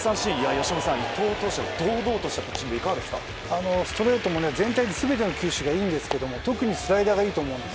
由伸さん、伊藤投手の堂々としたピッチング全体で全ての球種がいいんですけど特にスライダーがいいと思います。